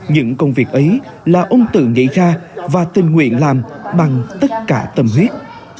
những công việc ấy là ông tự nghĩ ra và tình nguyện làm bằng tất cả tâm huyết